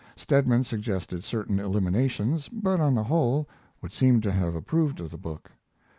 Stedman suggested certain eliminations, but, on the whole, would seem to have approved of the book.